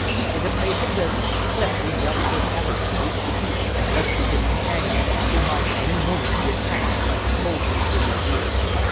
In the face of this, Clif redoubled his efforts to reach the beach and rescue his companions, who might any moment be attacked by the soldiers in their rear.